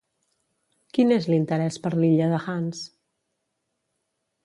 Quin és l'interès per l'Illa de Hans?